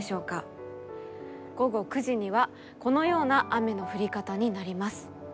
午後９時にはこのような雨の降り方になります。